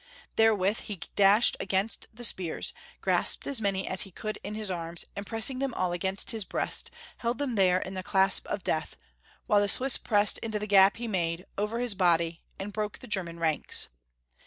Therewith he dashed against the spears, grasped as many as Wemel. 231 he could in his arms, and pressing them all against his breast, held them there in the clasp of death, while the Swiss pressed into the gap he made, over his body, and broke the German ranks.